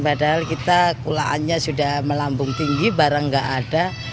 padahal kita pulaannya sudah melambung tinggi barang tidak ada